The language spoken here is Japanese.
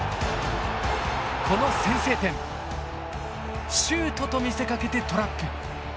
この先制点シュートと見せかけてトラップ。